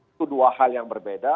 itu dua hal yang berbeda